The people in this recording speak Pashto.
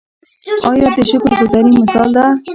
انا د شکر ګذاري مثال ده